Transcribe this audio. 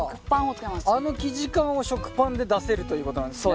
あの生地感を食パンで出せるということなんですね。